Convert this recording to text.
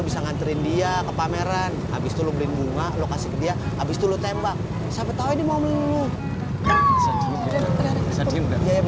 sampai jumpa di video selanjutnya